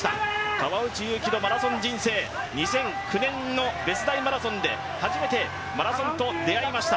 川内優輝のマラソン人生、２００９年の別大マラソンで初めてマラソンと出会いました。